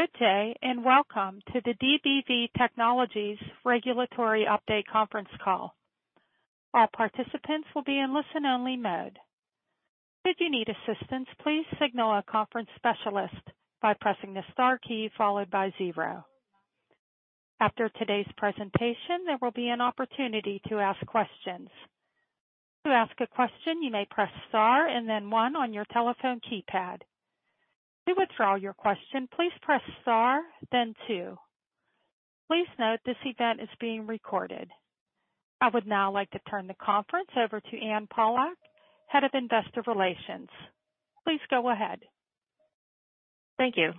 Good day, welcome to the DBV Technologies Regulatory Update conference call. All participants will be in listen-only mode. Should you need assistance, please signal a conference specialist by pressing the star key followed by zero. After today's presentation, there will be an opportunity to ask questions. To ask a question, you may press star and then one on your telephone keypad. To withdraw your question, please press star then two. Please note this event is being recorded. I would now like to turn the conference over to Anne Pollack, Head of investor Relations. Please go ahead. Thank you.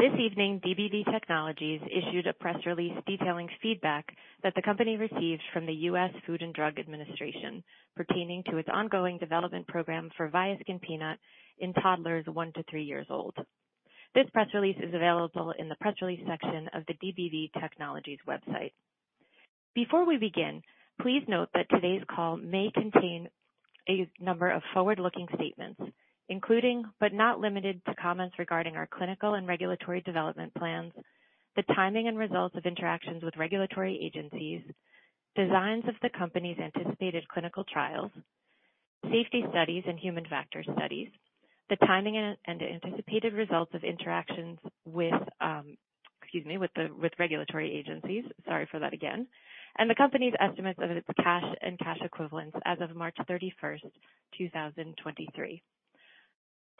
This evening, DBV Technologies issued a press release detailing feedback that the company received from the US Food and Drug Administration pertaining to its ongoing development program for Viaskin Peanut in toddlers one to three years old. This press release is available in the press release section of the DBV Technologies website. Before we begin, please note that today's call may contain a number of forward-looking statements, including but not limited to comments regarding our clinical and regulatory development plans, the timing and results of interactions with regulatory agencies, designs of the company's anticipated clinical trials, safety studies and human factor studies, the timing and the anticipated results of interactions with, excuse me, with regulatory agencies. Sorry for that again. The company's estimates of its cash and cash equivalents as of March 31st, 2023.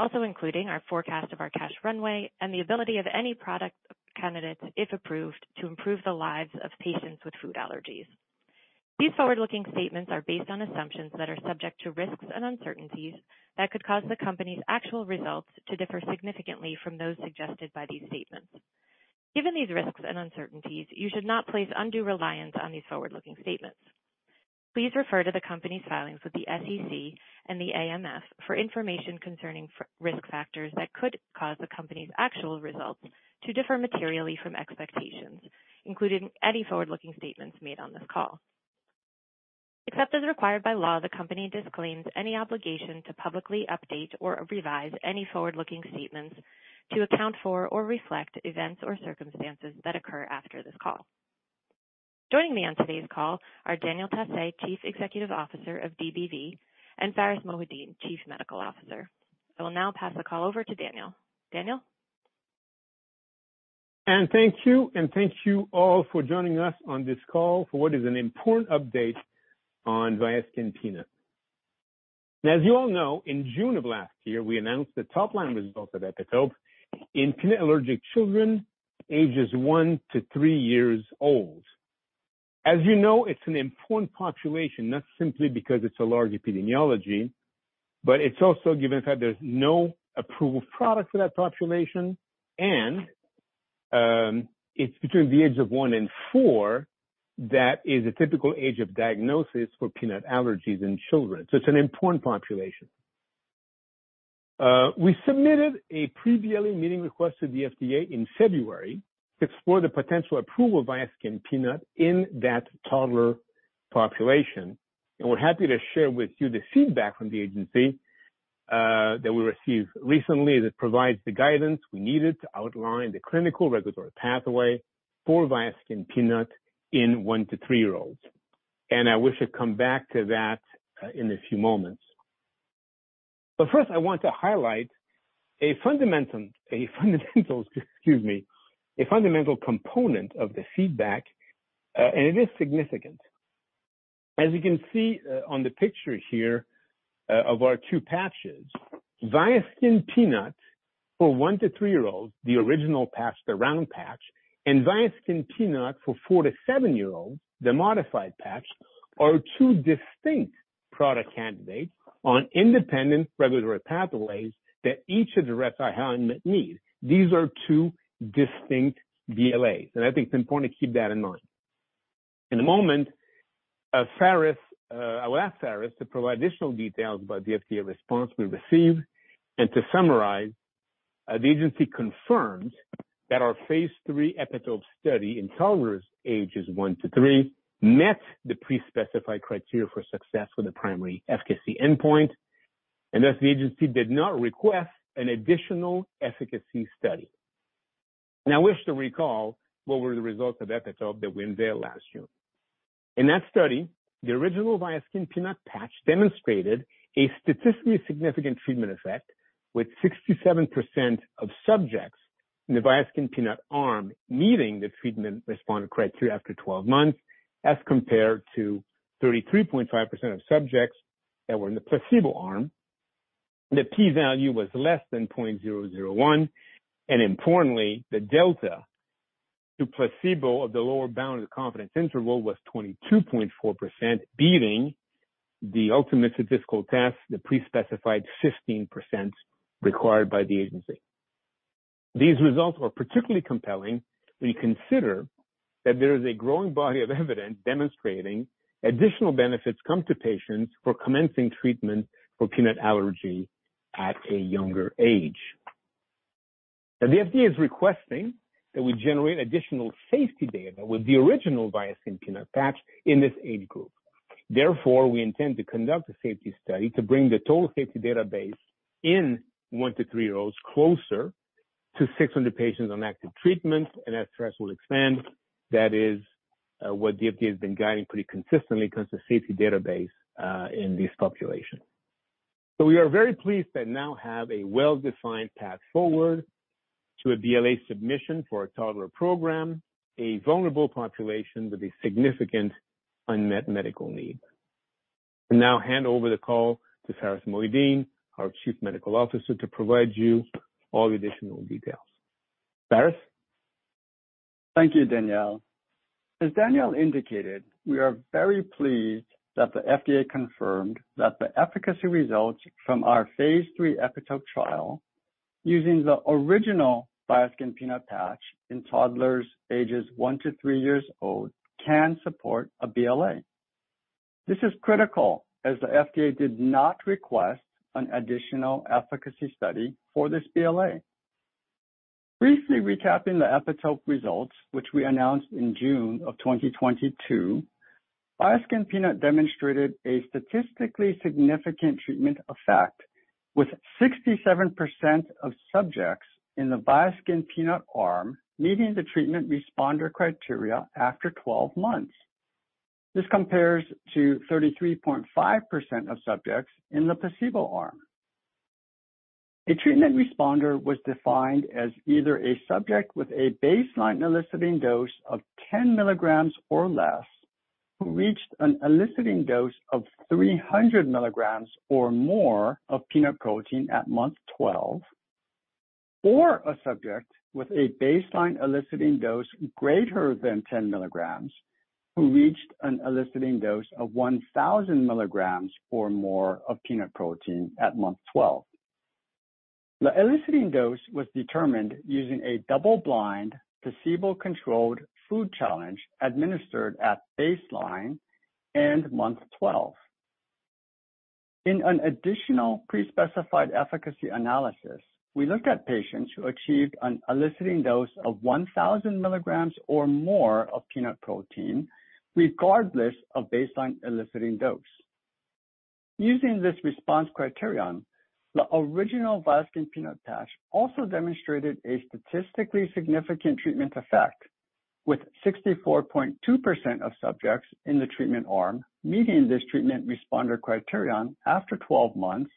Also including our forecast of our cash runway and the ability of any product candidate, if approved, to improve the lives of patients with food allergies. These forward-looking statements are based on assumptions that are subject to risks and uncertainties that could cause the company's actual results to differ significantly from those suggested by these statements. Given these risks and uncertainties, you should not place undue reliance on these forward-looking statements. Please refer to the company's filings with the SEC and the AMF for information concerning risk factors that could cause the company's actual results to differ materially from expectations, including any forward-looking statements made on this call. Except as required by law, the company disclaims any obligation to publicly update or revise any forward-looking statements to account for or reflect events or circumstances that occur after this call. Joining me on today's call are Daniel Tassé, Chief Executive Officer of DBV, and Pharis Mohideen, Chief Medical Officer. I will now pass the call over to Daniel. Daniel? Katie Matthews, thank you. Thank you all for joining us on this call for what is an important update on Viaskin Peanut. As you all know, in June of last year, we announced the top line results of EPITOPE in peanut-allergic children, ages one to three years old. As you know, it's an important population, not simply because it's a large epidemiology, it's also given the fact there's no approved product for that population. It's between the age of 1 and 4 that is a typical age of diagnosis for peanut allergies in children. It's an important population. We submitted a pre-BLA meeting request to the FDA in February to explore the potential approval of Viaskin Peanut in that toddler population. We're happy to share with you the feedback from the agency that we received recently that provides the guidance we needed to outline the clinical regulatory pathway for Viaskin Peanut in one to three year olds. I wish to come back to that in a few moments. First, I want to highlight a fundamental component of the feedback, and it is significant. As you can see on the picture here of our two patches, Viaskin Peanut for one to three year olds, the original patch, the round patch, and Viaskin Peanut for four to seven year olds, the modified patch, are two distinct product candidates on independent regulatory pathways that each address our unmet needs. These are two distinct BLAs, and I think it's important to keep that in mind. In a moment, Pharis, I'll ask Pharis to provide additional details about the FDA response we received. To summarize, the agency confirms that our phase III EPITOPE study in toddlers, ages one to three, met the pre-specified criteria for success for the primary efficacy endpoint, and thus the agency did not request an additional efficacy study. I wish to recall what were the results of EPITOPE that we unveiled last June. In that study, the original Viaskin Peanut patch demonstrated a statistically significant treatment effect with 67% of subjects in the Viaskin Peanut arm meeting the treatment responded criteria after 12 months, as compared to 33.5% of subjects that were in the placebo arm. The P value was less than .001. Importantly, the delta to placebo of the lower bound of the confidence interval was 22.4%, beating the ultimate statistical test, the pre-specified 15% required by the agency. These results were particularly compelling when you consider that there is a growing body of evidence demonstrating additional benefits come to patients for commencing treatment for peanut allergy at a younger age. The FDA is requesting that we generate additional safety data with the original Viaskin Peanut patch in this age group. We intend to conduct a safety study to bring the total safety database in one to three year olds closer to 600 patients on active treatment and as ASTRAS will expand, that is what the FDA has been guiding pretty consistently across the safety database in this population. We are very pleased that now have a well-defined path forward to a BLA submission for a toddler program, a vulnerable population with a significant unmet medical need. I now hand over the call to Pharis Mohideen, our Chief Medical Officer, to provide you all the additional details. Pharis. Thank you, Daniel. As Daniel indicated, we are very pleased that the FDA confirmed that the efficacy results from our phase III EPITOPE trial using the original Viaskin Peanut patch in toddlers ages one to three years old can support a BLA. This is critical as the FDA did not request an additional efficacy study for this BLA. Briefly recapping the EPITOPE results, which we announced in June of 2022, Viaskin Peanut demonstrated a statistically significant treatment effect with 67% of subjects in the Viaskin Peanut arm meeting the treatment responder criteria after 12 months. This compares to 33.5% of subjects in the placebo arm. A treatment responder was defined as either a subject with a baseline eliciting dose of 10 milligrams or less, who reached an eliciting dose of 300 milligrams or more of peanut protein at month 12, or a subject with a baseline eliciting dose greater than 10 milligrams, who reached an eliciting dose of 1,000 milligrams or more of peanut protein at month 12. The eliciting dose was determined using a double-blind, placebo-controlled food challenge administered at baseline and month 12. In an additional pre-specified efficacy analysis, we looked at patients who achieved an eliciting dose of 1,000 milligrams or more of peanut protein regardless of baseline eliciting dose. Using this response criterion, the original Viaskin Peanut patch also demonstrated a statistically significant treatment effect with 64.2% of subjects in the treatment arm meeting this treatment responder criterion after 12 months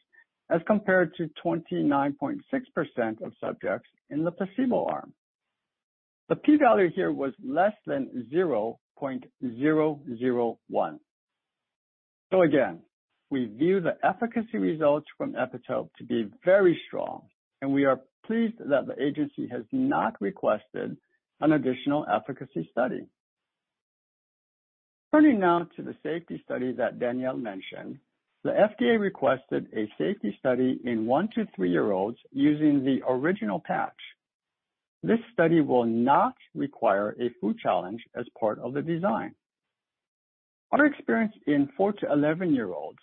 as compared to 29.6% of subjects in the placebo arm. The P value here was less than 0.001. Again, we view the efficacy results from EPITOPE to be very strong, and we are pleased that the agency has not requested an additional efficacy study. Turning now to the safety study that Daniel mentioned, the FDA requested a safety study in one to three year olds using the original patch. This study will not require a food challenge as part of the design. Our experience in four to 11-year-olds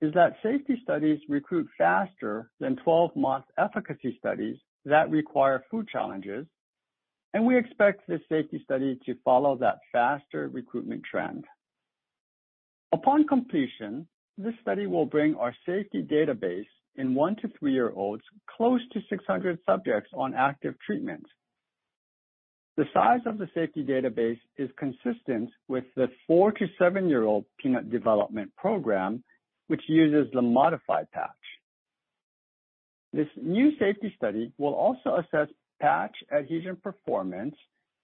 is that safety studies recruit faster than 12-month efficacy studies that require food challenges. We expect this safety study to follow that faster recruitment trend. Upon completion, this study will bring our safety database in one to three year olds close to 600 subjects on active treatment. The size of the safety database is consistent with the four to seven year-old peanut development program, which uses the modified patch. This new safety study will also assess patch adhesion performance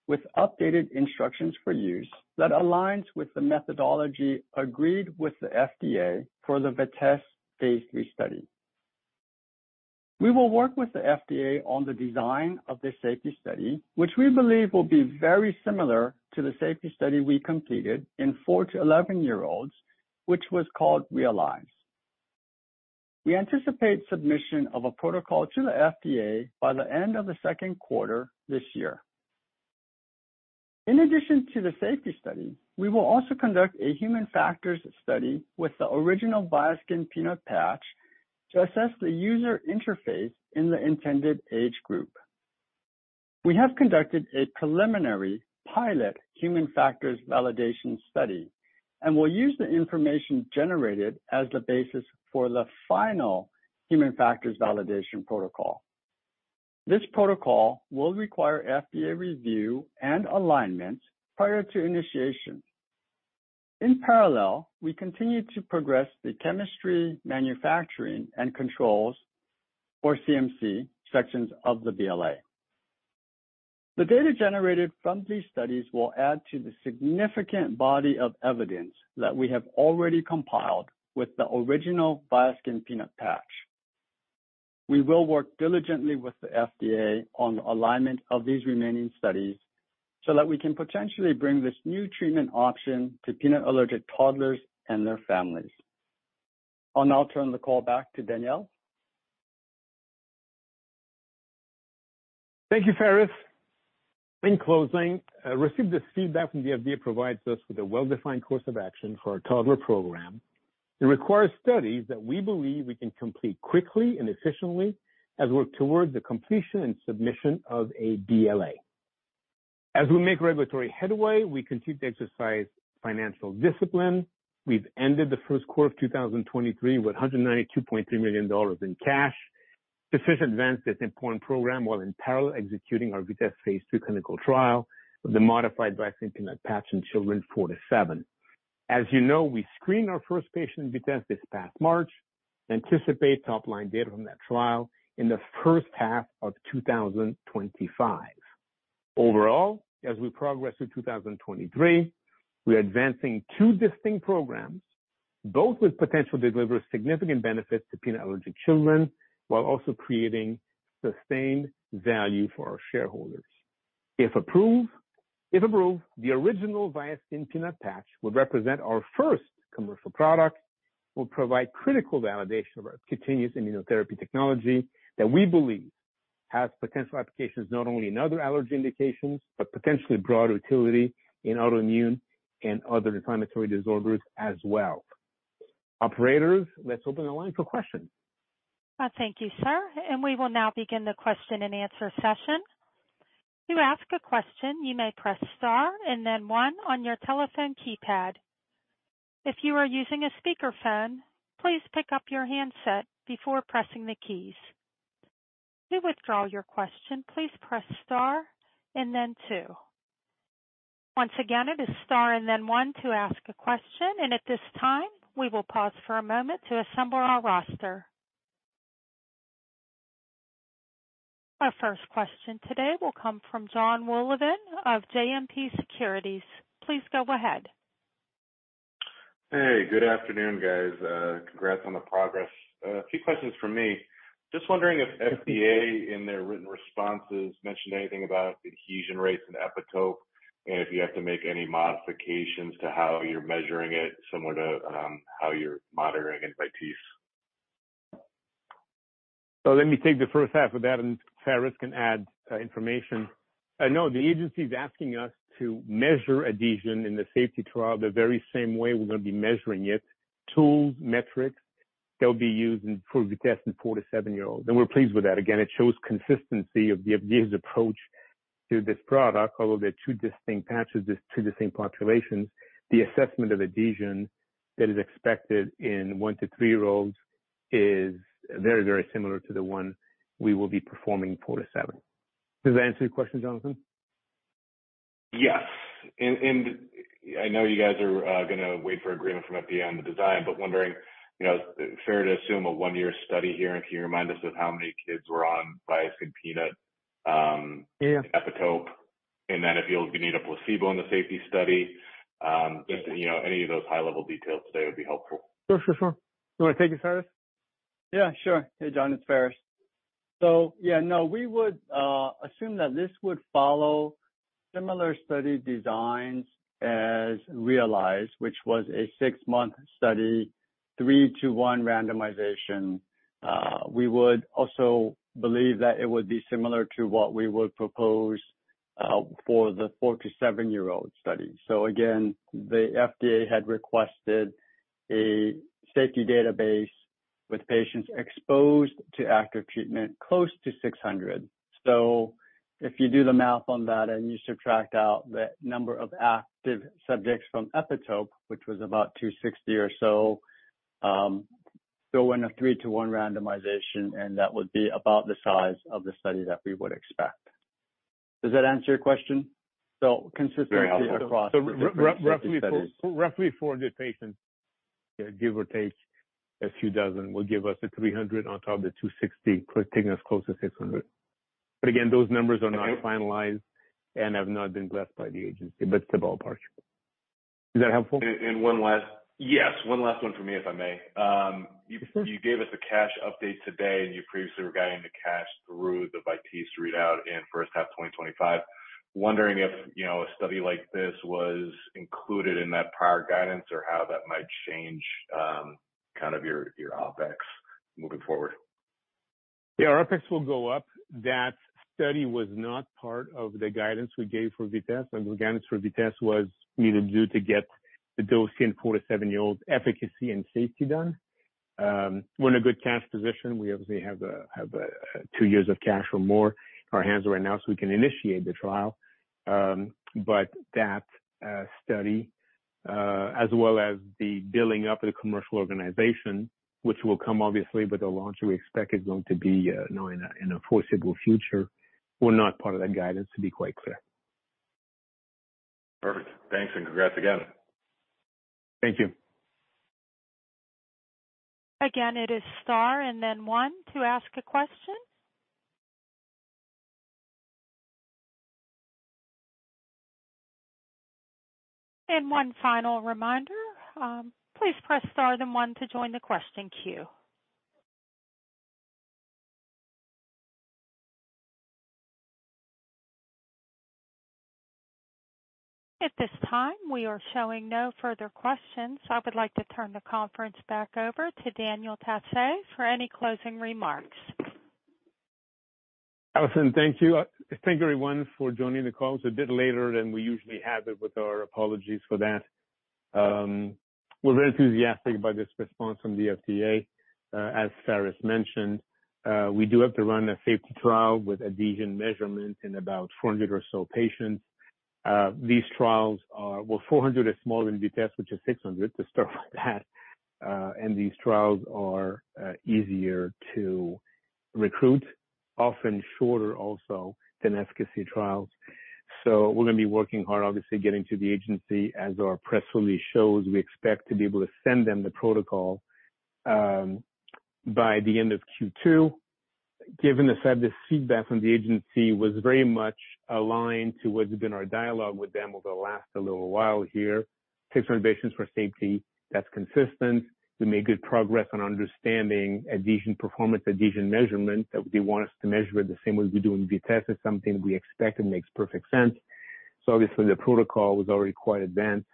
with updated instructions for use that aligns with the methodology agreed with the FDA for the VITESSE phase III study. We will work with the FDA on the design of this safety study, which we believe will be very similar to the safety study we completed in four to 11-year-olds, which was called REALISE. We anticipate submission of a protocol to the FDA by the end of the second quarter this year. In addition to the safety study, we will also conduct a human factors study with the original Viaskin Peanut patch to assess the user interface in the intended age group. We have conducted a preliminary pilot human factors validation study and will use the information generated as the basis for the final human factors validation protocol. This protocol will require FDA review and alignment prior to initiation. In parallel, we continue to progress the chemistry, manufacturing, and controls or CMC sections of the BLA. The data generated from these studies will add to the significant body of evidence that we have already compiled with the original Viaskin Peanut patch. We will work diligently with the FDA on the alignment of these remaining studies so that we can potentially bring this new treatment option to peanut-allergic toddlers and their families. I'll now turn the call back to Daniel. Thank you, Pharis. In closing, received this feedback from the FDA provides us with a well-defined course of action for our toddler program. It requires studies that we believe we can complete quickly and efficiently as we work towards the completion and submission of a BLA. As we make regulatory headway, we continue to exercise financial discipline. We've ended the first quarter of 2023 with $192.3 million in cash and cash equivalents this important program while in parallel executing our VITESSE phase II clinical trial of the modified Viaskin Peanut patch in children four to seven. As you know, we screened our first patient in VITESSE this past March, anticipate top-line data from that trial in the first half of 2025. Overall, as we progress through 2023, we're advancing two distinct programs, both with potential to deliver significant benefits to peanut-allergic children while also creating sustained value for our shareholders. If approved, the original Viaskin Peanut patch will represent our first commercial product. Will provide critical validation of our continuous immunotherapy technology that we believe has potential applications not only in other allergy indications, but potentially broad utility in autoimmune and other inflammatory disorders as well. Operators, let's open the line for questions. Thank you, sir. We will now begin the question-and-answer session. To ask a question, you may press star and then one on your telephone keypad. If you are using a speakerphone, please pick up your handset before pressing the keys. To withdraw your question, please press star and then two. Once again, it is star and then one to ask a question. At this time, we will pause for a moment to assemble our roster. Our first question today will come from Jon Wolleben of JMP Securities. Please go ahead. Hey, good afternoon, guys. congrats on the progress. a few questions from me. Just wondering if FDA, in their written responses, mentioned anything about adhesion rates and EPITOPE, and if you have to make any modifications to how you're measuring it, similar to how you're monitoring it in VITESSE? Let me take the first half of that, and Pharis can add information. No, the agency is asking us to measure adhesion in the safety trial the very same way we're going to be measuring it. Tools, metrics that will be used in proof of concept in four to seven-year-olds. We're pleased with that. Again, it shows consistency of the FDA's approach to this product. Although they're two distinct patches, these two distinct populations, the assessment of adhesion that is expected in one to three-year-olds is very, very similar to the one we will be performing in four to seven. Does that answer your question, Jonathan? Yes. I know you guys are gonna wait for agreement from FDA on the design, but wondering, you know, fair to assume a one-year study here? Can you remind us of how many kids were on Viaskin Peanut? Yeah. EPITOPE, and then if you'll need a placebo in the safety study? Just, you know, any of those high-level details today would be helpful. Sure, sure. You want to take it, Pharis? Yeah, sure. Hey, Jon, it's Pharis. Yeah, no, we would assume that this would follow similar study designs as REALISE, which was a six-month study, three to one randomization. We would also believe that it would be similar to what we would propose for the four to seven-year-old study. Again, the FDA had requested a safety database with patients exposed to active treatment close to 600. If you do the math on that and you subtract out the number of active subjects from EPITOPE, which was about 260 or so, throw in a three to one randomization, and that would be about the size of the study that we would expect. Does that answer your question? Consistency across- Very helpful. Roughly 400 patients, give or take a few dozen, will give us a 300 on top of the 260, taking us close to 600. Again, those numbers are not finalized and have not been blessed by the agency, but it's the ballpark. Is that helpful? One last... Yes, one last one for me, if I may. Mm-hmm. You gave us a cash update today. You previously were guiding the cash through the Vitesse readout in first half 2025. Wondering if, you know, a study like this was included in that prior guidance or how that might change, kind of your OPEX moving forward. Our OpEx will go up. That study was not part of the guidance we gave for VITESSE. Our guidance for VITESSE was we need to do to get the dosing in four to seven-year-olds efficacy and safety done. We're in a good cash position. We obviously have, two years of cash or more in our hands right now, so we can initiate the trial. That study, as well as the building up of the commercial organization, which will come obviously with the launch we expect is going to be, you know, in a, in the foreseeable future, were not part of that guidance, to be quite clear. Perfect. Thanks, and congrats again. Thank you. Again, it is star and then one to ask a question. One final reminder, please press star then one to join the question queue. At this time, we are showing no further questions. I would like to turn the conference back over to Daniel Tassé for any closing remarks. Allison, thank you. Thank you, everyone, for joining the call. It's a bit later than we usually have it with our apologies for that. We're very enthusiastic about this response from the FDA. As Pharis mentioned, we do have to run a safety trial with adhesion measurement in about 400 or so patients. These trials are. Well, 400 is smaller than VITESSE, which is 600. Stuff like that. These trials are easier to recruit, often shorter also than efficacy trials. We're gonna be working hard, obviously, getting to the agency. As our press release shows, we expect to be able to send them the protocol by the end of Q2. Given the fact this feedback from the agency was very much aligned to what's been our dialogue with them over the last little while here. 600 patients for safety, that's consistent. We made good progress on understanding adhesion performance, adhesion measurement. That they want us to measure it the same way as we do in Vitesse is something we expect and makes perfect sense. Obviously, the protocol was already quite advanced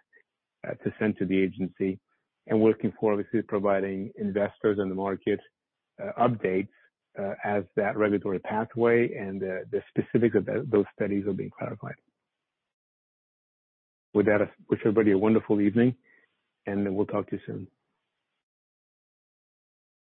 to send to the agency. Working forward, obviously providing investors and the market updates as that regulatory pathway and the specifics of those studies are being clarified. With that, wish everybody a wonderful evening, and we'll talk to you soon.